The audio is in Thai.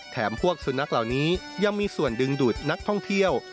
พวกสุนัขเหล่านี้ยังมีส่วนดึงดูดนักท่องเที่ยว